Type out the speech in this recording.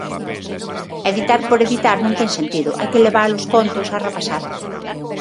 Editar por editar non ten sentido, hai que levar os contos á rapazada.